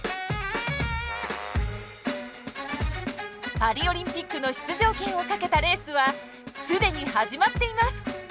パリオリンピックの出場権をかけたレースは既に始まっています。